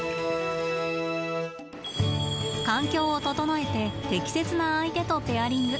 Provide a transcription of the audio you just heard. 環境を整えて適切な相手とペアリング。